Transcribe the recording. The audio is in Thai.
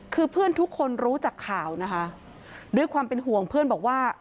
คือเพื่อนทุกคนรู้จักข่าวนะคะด้วยความเป็นห่วงเพื่อนบอกว่า